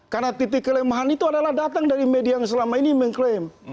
karena titik kelemahan itu adalah datang dari media yang selama ini mengklaim